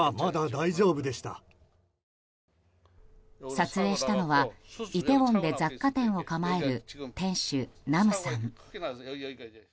撮影したのはイテウォンで雑貨店を構える店主ナムさん。